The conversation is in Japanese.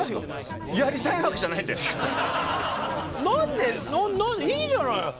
何いいじゃない。